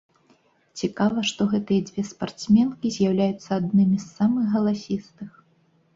Цікава, што гэтыя дзве спартсменкі з'яўляюцца аднымі з самых галасістых.